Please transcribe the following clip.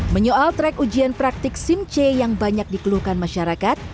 menyoal track ujian praktik simc yang banyak dikeluhkan masyarakat